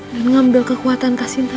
dan ngambil kekuatan kak sinta